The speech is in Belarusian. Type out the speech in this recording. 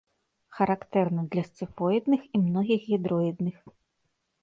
Характэрны для сцыфоідных і многіх гідроідных.